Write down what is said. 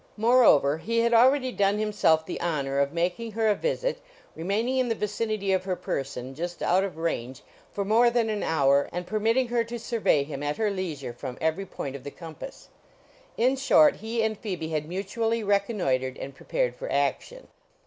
Moreover, he had already done himself the honor of making her a visit, remaining in the vicinity of her person, just out of range, for more than an hour and permitting her to survey him at her leisure from every point of the compass. In short, he and Phoebe had mutually reconnoitered and prepared for action.